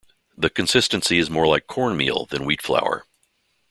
The consistency is more like corn meal than wheat flour.